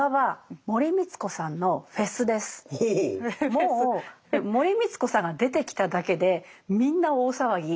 もう森光子さんが出てきただけでみんな大騒ぎ。